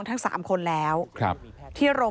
พบหน้าลูกแบบเป็นร่างไร้วิญญาณ